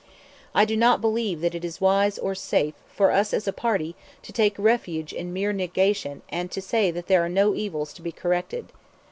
I do not believe that it is wise or safe for us as a party to take refuge in mere negation and to say that there are no evils to be corrected.